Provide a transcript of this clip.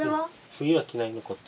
冬は着ないねこっち。